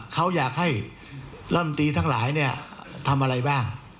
เขาอยากให้ร่ำตีทั้งหลายเนี่ยทำอะไรบ้าง